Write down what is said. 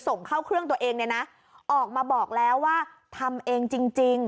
ส่งเข้าเครื่องตัวเองเนี่ยนะออกมาบอกแล้วว่าทำเองจริง